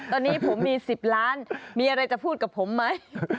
ตอนนี้ผมมี๑๐ล้านมีอะไรจะพูดกับผมไหม